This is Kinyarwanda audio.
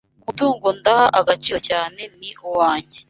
Umutungo ndaha agaciro cyane ni uwange